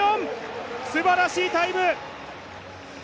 すばらしいタイム！